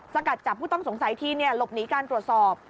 สกัดจับผู้ต้องสงสัยทีหลบหนีการตรวจสอบ